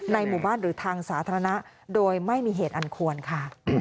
หมู่บ้านหรือทางสาธารณะโดยไม่มีเหตุอันควรค่ะ